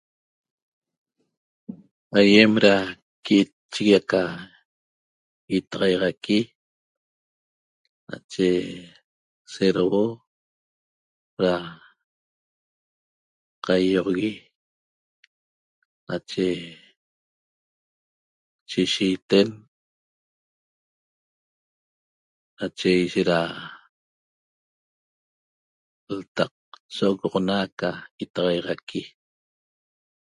Aýem da qui'itchigui aca itaxaiaxaqui nache sdouo da qaiioxogui nache shishiiten nache nache da ltaq so'ogoxona aca itaxaixaqui